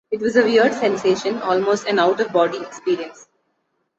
It was a weird sensation, almost an out-of-body experience.